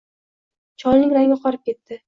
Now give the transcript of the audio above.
Cholning rangi oqarib ketdi